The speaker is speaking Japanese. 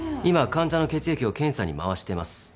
今患者の血液を検査に回してます。